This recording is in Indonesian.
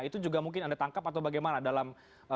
itu juga mungkin anda tangkap atau bagaimana dalam